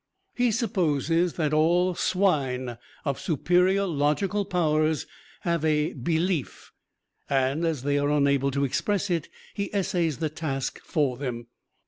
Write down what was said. He supposes that all swine of superior logical powers have a "belief," and as they are unable to express it he essays the task for them.